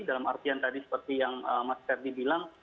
dalam artian tadi seperti yang mas ferdi bilang